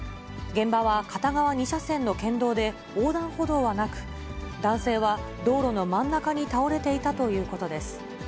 現場は片側２車線の県道で、横断歩道はなく、男性は道路の真ん中に倒れていたということです。